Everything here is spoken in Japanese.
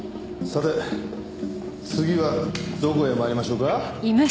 さて次はどこへ参りましょうか？